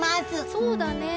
そうだね。